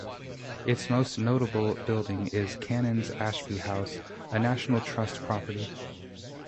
Its most notable building is Canons Ashby House, a National Trust property.